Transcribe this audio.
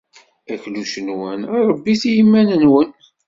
Akluc-nwen ṛebbit-t i yiman-nwen.